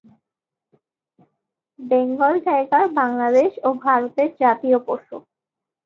Bengal tiger Bangladesh ও ভারতের জাতীয় পশু।